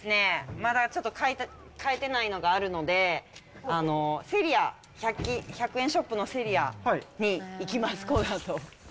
まだちょっと買えてないのがあるので、セリア、１００円ショップのセリアに行きます、このあと。